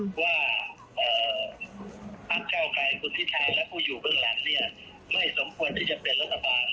ภาพเช่าไขคุณทิศัยและผู้อยู่เบื้องหลังไม่สมควรได้เป็นรัฐบาล